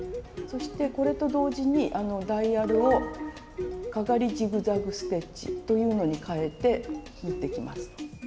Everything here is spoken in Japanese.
そしてこれと同時にダイヤルをかがりジグザグステッチというのに変えて縫っていきます。